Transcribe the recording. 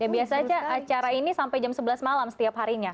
biasanya acara ini sampai jam sebelas malam setiap harinya